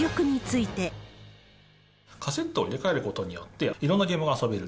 カセットを入れ替えることによって、いろんなゲームが遊べる。